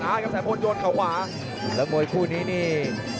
อะอยากจะสูดให้ส่องอ๋าหลักคู่นี้นี่